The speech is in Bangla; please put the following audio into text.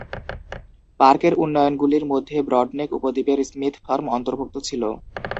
পার্কের উন্নয়নগুলির মধ্যে ব্রডনেক উপদ্বীপের স্মিথ ফার্ম অন্তর্ভুক্ত ছিল।